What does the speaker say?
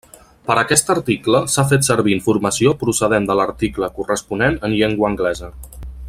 Per a aquest article s'ha fet servir informació procedent de l'article corresponent en llengua anglesa.